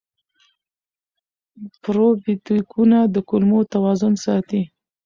پروبیوتیکونه د کولمو توازن ساتي.